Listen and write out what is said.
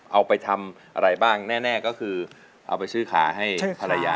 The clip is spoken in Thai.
เอาไปทำอะไรบ้างแน่ก็คือเอาไปซื้อขาให้ภรรยา